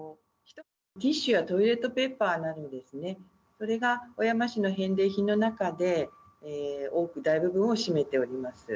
ティッシュやトイレットペーパーなどですね、それが小山市の返礼品の中で多く、大部分を占めております。